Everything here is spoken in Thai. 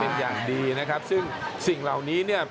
เป็นอย่างดีนะครับซึ่งสิ่งเหล่านี้เนี่ย